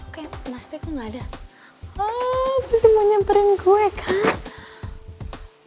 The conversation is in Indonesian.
kamu sih mau nyamperin gue kan